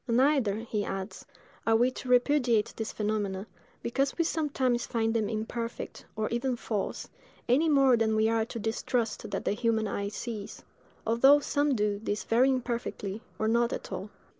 Neither," he adds, "are we to repudiate these phenomena, because we sometimes find them imperfect, or even false, any more than we are to distrust that the human eye sees, although some do this very imperfectly, or not at all."